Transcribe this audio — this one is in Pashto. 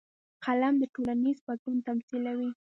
قلم د ټولنیز بدلون تمثیلوي